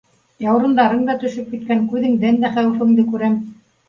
Яурындарың да төшөп киткән, күҙеңдән дә хәүефеңде күрәм.